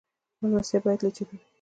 میلمستیا باید له جیبه وي